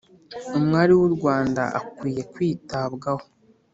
umwari w’u rwanda akwiye kwitabwaho,